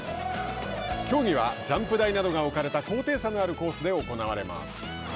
競技はジャンプ台などが置かれた高低差のあるコースで行われます。